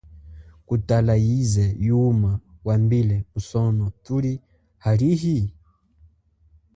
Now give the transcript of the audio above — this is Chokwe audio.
Kutala yize yuma wambile, musono thuli halihi?